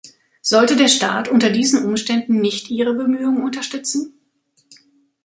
Sollte der Staat unter diesen Umständen nicht ihre Bemühungen unterstützen?